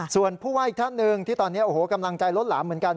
ส่วนผู้ว่าอีกท่านหนึ่งที่ตอนนี้โอ้โหกำลังใจล้นหลามเหมือนกัน